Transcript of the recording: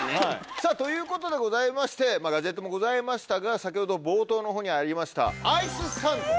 さぁということでございましてガジェットもございましたが先ほど冒頭のほうにありましたアイスサンド。